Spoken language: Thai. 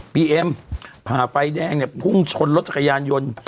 เอ็มผ่าไฟแดงเนี่ยพุ่งชนรถจักรยานยนต์